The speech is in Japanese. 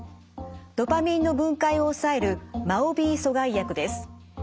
ドパミンの分解を抑えるＭＡＯーＢ阻害薬です。